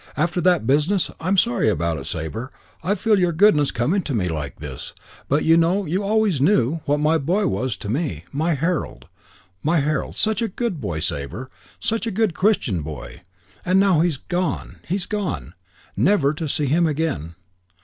After that business. I'm sorry about it, Sabre. I feel your goodness coming to me like this. But you know, you always knew, what my boy was to me. My Harold. My Harold. Such a good boy, Sabre. Such a good, Christian boy. And now he's gone, he's gone. Never to see him again.